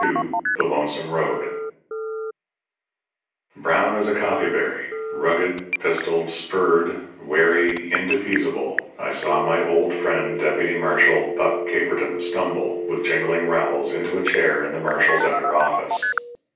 XXII THE LONESOME ROAD Brown as a coffee berry, rugged, pistoled, spurred, wary, indefeasible, I saw my old friend, Deputy Marshal Buck Caperton, stumble, with jingling rowels, into a chair in the marshal's outer office.